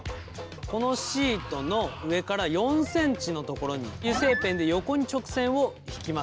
このシートの上から４ｃｍのところに油性ペンで横に直線をひきます。